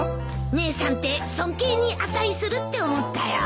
姉さんって尊敬に値するって思ったよ。